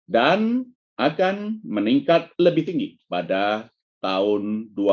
dan akan meningkat lebih tinggi pada tahun dua ribu dua puluh dua